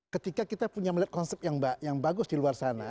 ketika kita punya melihat konsep yang bagus di luar sana